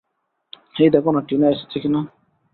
এই দেখ না, টিনা এসেছে কি না।